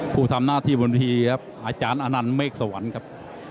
ผู้ทำหน้าที่บนวิธีครับอาจารย์อนันต์เมฆสวรรค์ครับ